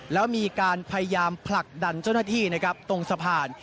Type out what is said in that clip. แล้วมีการพยายามผลักดันเจ้าหน้าที่นะครับตรงสะพาน